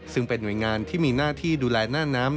ซึ่งเป็นหน่วยงานที่มีหน้าที่ดูแลหน้าน้ำ